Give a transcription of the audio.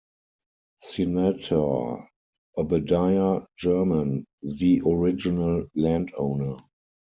Senator Obadiah German, the original land owner.